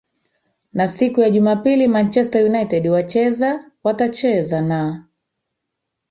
na siku ya jumapili manchester united wacheza watacheza na